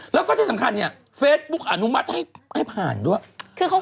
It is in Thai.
แล้วก็ที่สำคัญเนี่ยเฟซบุ๊กอนุมัติให้ผ่านด้วย